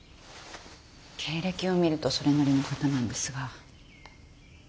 経歴を見るとそれなりの方なんですが。